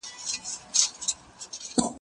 زه پرون مکتب ته وم.